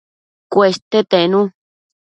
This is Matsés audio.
Cueste tenu